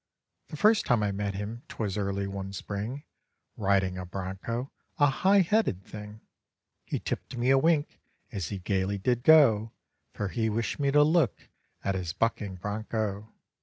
The first time I met him, 'twas early one spring, Riding a broncho, a high headed thing. He tipped me a wink as he gaily did go; For he wished me to look at his bucking broncho.